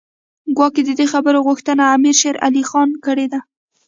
ګواکې د دې خبرو غوښتنه امیر شېر علي خان کړې ده.